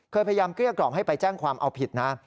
พยายามเกลี้ยกล่อมให้ไปแจ้งความเอาผิดนะ